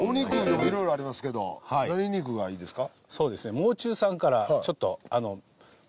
砲いろいろありますけど何肉がいいですか？